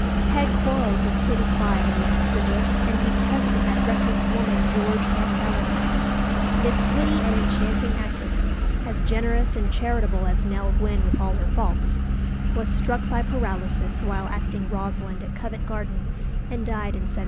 Peg quarrelled with Kitty Clive and Mrs. Cibber, and detested that reckless woman George Anne Bellamy. This witty and enchanting actress, as generous and charitable as Nell Gwynn with all her faults, was struck by paralysis while acting Rosalind at Covent Garden, and died in 1760.